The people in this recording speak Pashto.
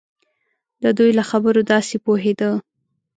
د دوی له خبرو داسې پوهېده.